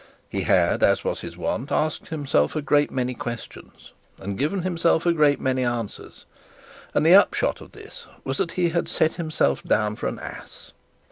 He had, as was his wont, asked himself a great many questions, and given himself a great many answers; and the upshot of this was that he had set himself down for an ass.